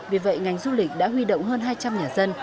vì vậy ngành du lịch đã huy động hơn hai trăm linh nhà dân